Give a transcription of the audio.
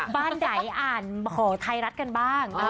บ้านไหนอ่านของไทยรัฐกันบ้าง